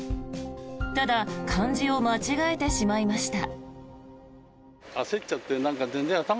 ただ、漢字を間違えてしまいました。